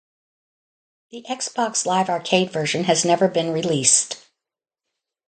The Xbox Live Arcade version has never been released.